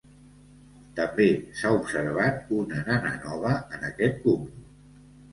També s'ha observat una nana nova en aquest cúmul.